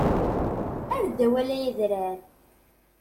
Err-d awal ay adrar!